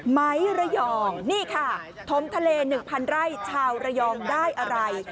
ไม้ระยองนี่ค่ะถมทะเล๑๐๐ไร่ชาวระยองได้อะไร